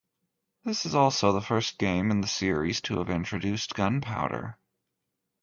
This is also the first game in the series to have introduced gunpowder.